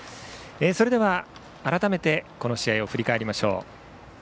それでは改めてこの試合を振り返りましょう。